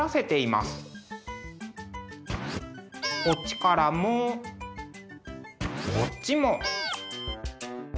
こっちからもこっちも。